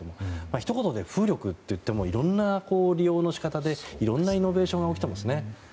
ひと言で風力といってもいろんな利用の仕方でいろんなイノベーションが起きていますね。